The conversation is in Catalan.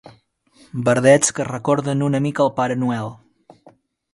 Verdets que recorden una mica el Pare Noel.